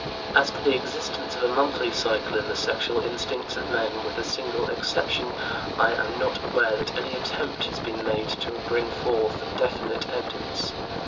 As to the existence of a monthly cycle in the sexual instincts of men, with a single exception, I am not aware that any attempt has been made to bring forward definite evidence.